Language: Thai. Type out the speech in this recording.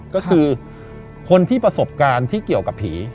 ก็คือคนที่ประสบการณ์ที่เกี่ยวกับผี